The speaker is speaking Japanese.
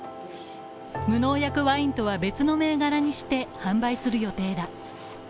無農薬ワインとは別の銘柄にして販売する予定だ。